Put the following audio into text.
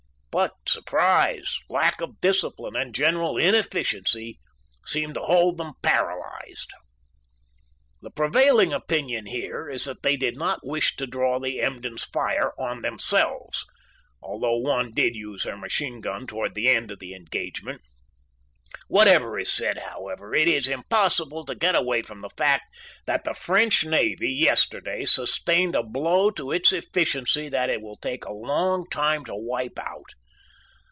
But surprise, lack of discipline, and general inefficiency seemed to hold them paralyzed. The prevailing opinion here is that they did not wish to draw the Emden's fire on themselves although one did use her machine gun toward the end of the engagement. Whatever is said, however, it is impossible to get away from the fact that the French Navy yesterday sustained a blow to its efficiency that it will take a long time to wipe out.